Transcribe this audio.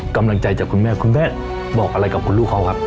กำลังใจจากคุณแม่คุณแม่บอกอะไรกับคุณลูกเขาครับ